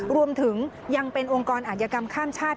รวมถึงยังเป็นองค์กรอาธิกรรมข้ามชาติ